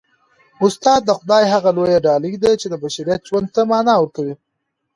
استاد د خدای هغه لویه ډالۍ ده چي د بشریت ژوند ته مانا ورکوي.